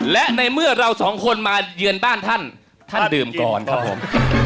และในเมื่อเราสองคนมาเยือนบ้านท่านท่านดื่มก่อนครับผม